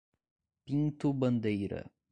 Pinto Bandeira